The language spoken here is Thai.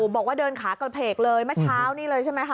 บอกว่าเดินขากระเพกเลยเมื่อเช้านี่เลยใช่ไหมคะ